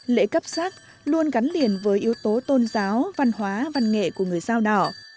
lễ cấp sắc luôn gắn liền với yếu tố tôn giáo văn hóa văn nghệ của người dao đỏ